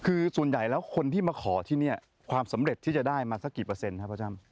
คือส่วนใหญ่แล้วคนที่มาขอที่นี่ความสำเร็จที่จะได้มาสักกี่เปอร์เซ็นต์ครับพ่อจ้ำ